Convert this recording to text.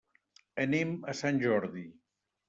Anem a Sant Jordi.